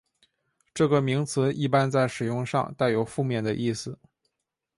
这个名词一般在使用上带有负面的意思。